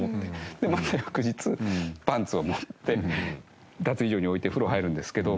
でまた翌日パンツを持って脱衣所に置いて風呂入るんですけど。